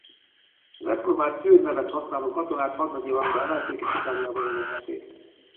Az ekkor már Türr nevet használó katonát hadnagyi rangba emelték és Itáliába vezényelték.